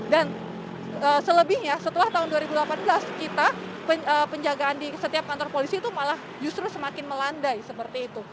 dan selebihnya setelah tahun dua ribu delapan belas kita penjagaan di setiap kantor polisi itu malah justru semakin melandai seperti itu